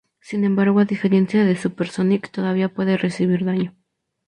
Sin embargo, a diferencia de Super Sonic, todavía puede recibir daño.